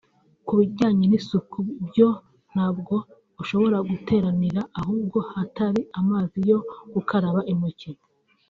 Ku bijyanye n’isuku byo ntabwo ushobora guteranira ahantu hatari amazi yo gukaraba intoki